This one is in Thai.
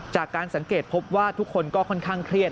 จากการสังเกตพบว่าทุกคนก็ค่อนข้างเครียด